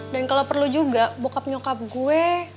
dan kalau perlu juga bokap nyokap gue